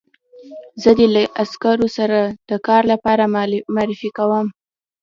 زه دې له عسکرو سره د کار لپاره معرفي کوم